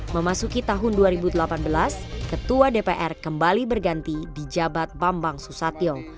memasuki tahun dua ribu delapan belas ketua dpr kembali berganti di jabat bambang susatyo